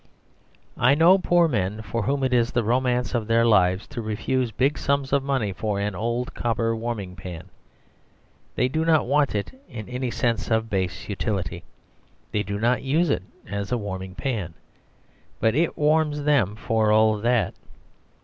I know poor men for whom it is the romance of their lives to refuse big sums of money for an old copper warming pan. They do not want it, in any sense of base utility. They do not use it as a warming pan; but it warms them for all that.